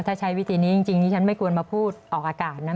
ถ้าใช้วิธีนี้จริงนี่ฉันไม่ควรมาพูดออกอากาศนะ